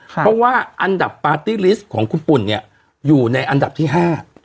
เพราะว่าอันดับปาร์ตี้ลิสต์ของคุณปุ่นเนี่ยอยู่ในอันดับที่ห้า